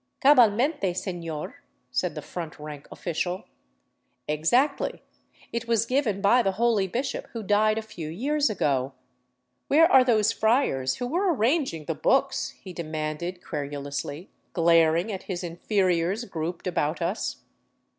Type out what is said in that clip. '' Cabalmente, sefior," said the front rank official. " Exactly ; it was given by the holy bishop who died a few years ago. Where are those friars who were arranging the books ?" he demanded querulously, glaring at his inferiors grouped about us.